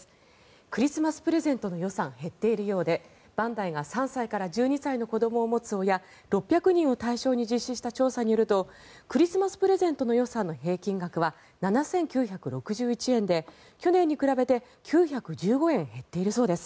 クリスマスプレゼントの予算減っているようでバンダイが３歳から１２歳の子どもを持つ親６００人を対象に実施した調査によるとクリスマスプレゼントの予算の平均額は７９６１円で去年に比べて９１５円減っているそうです。